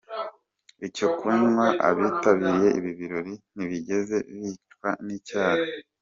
Icyo kunywa, abitabiriye ibi birori ntibigeze bicwa n'icyaka.